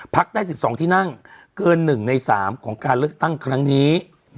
พักได้๑๒ที่นั่งเกิน๑ใน๓ของการเลือกตั้งครั้งนี้